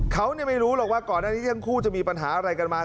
เขาไม่รู้หรอกว่าก่อนหน้านี้ทั้งคู่จะมีปัญหาอะไรกันมา